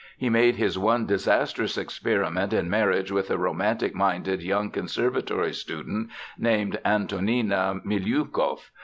He made his one disastrous experiment in marriage with a romantic minded young conservatory student named Antonina Miliukov.